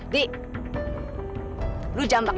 di lu jambak dia